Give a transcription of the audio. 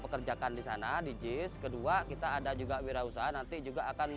terima kasih teman teman